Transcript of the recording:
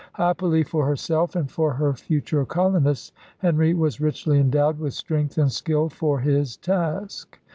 Happily for herself and for her future colonists, Henry was richly endowed with strength and skill for his task.